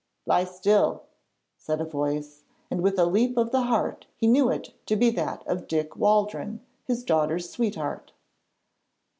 'Lie still,' said a voice, and with a leap of the heart he knew it to be that of Dick Waldron, his daughter's sweetheart.